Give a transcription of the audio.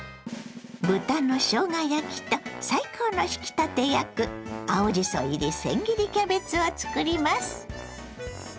豚のしょうが焼きと最高の引き立て役青じそ入りせん切りキャベツを作ります。